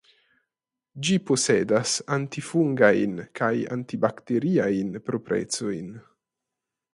Ĝi posedas antifungajn kaj antibakteriajn proprecojn.